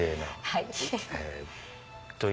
はい。